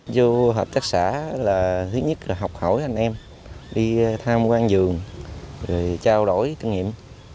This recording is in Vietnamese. vô hợp tác xã là thứ nhất là học hỏi anh em đi tham quan giường rồi trao đổi kinh nghiệm